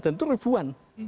dan itu ribuan